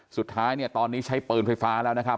สุดท้ายตอนนี้ใช้เปลือนไฟฟ้าแล้วนะครับ